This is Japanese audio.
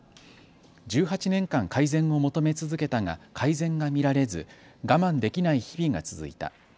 １８年間、改善を求め続けたが改善が見られず我慢できない日々が続いた。